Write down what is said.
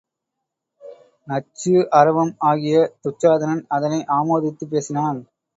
நச்சு அரவம் ஆகிய துச் சாதனன் அதனை ஆமோதித்துப் பேசினான்.